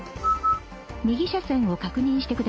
「右車線を確認してください。